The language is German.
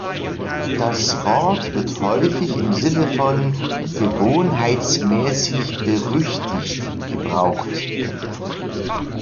Das Wort wird häufig im Sinne von „gewohnheitsmäßig, berüchtigt“ gebraucht.